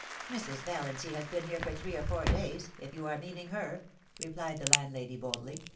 * Mrs. Valiancy has been here for three or four days, if you are meaning her,' replied the landlady, boldly.